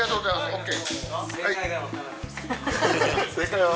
ＯＫ！